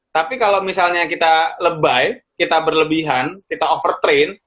tapi kalau misalnya kita lebay kita berlebihan kita overtrain